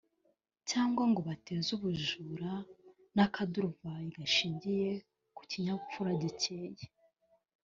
cyangwa ngo bateze ubujura n’akaduruvayo gashingiye ku kinyabupfura gikeya